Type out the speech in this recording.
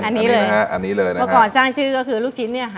อันนี้เลยนะฮะอันนี้เลยนะเมื่อก่อนสร้างชื่อก็คือลูกชิ้นเนี่ยค่ะ